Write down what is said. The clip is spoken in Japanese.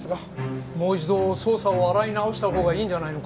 もう一度捜査を洗い直した方がいいんじゃないのか？